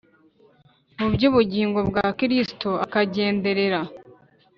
Mu by ubugingo bwa gikirisito akagenderera